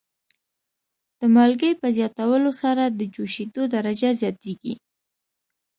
د مالګې په زیاتولو سره د جوشیدو درجه زیاتیږي.